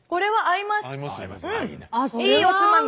いいおつまみ。